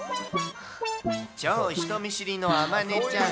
超人見知りのあまねちゃん。